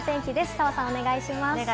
澤さん、お願いします。